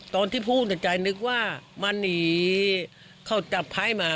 ตอนที่พูดในใจนึกว่ามาหนีเข้าจับไพ่หมา